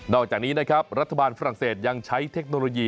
อกจากนี้นะครับรัฐบาลฝรั่งเศสยังใช้เทคโนโลยี